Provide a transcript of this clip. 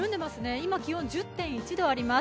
今、気温１０．１度あります。